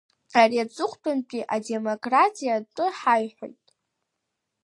Ари аҵыхәтәантәи адемократиа атәы ҳаиҳәоит.